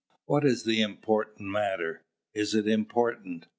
"What is the important matter? Is it important?"